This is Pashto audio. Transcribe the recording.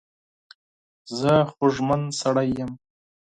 زه خوږمن سړی یم.